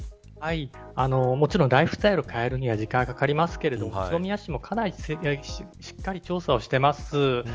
ライフスタイルを変えるには時間がかかりますが宇都宮市もしっかりと調査をしています。